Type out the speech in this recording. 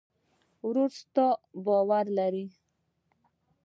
ورور ستا باور لري.